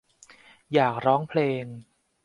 อยากร้องเพลง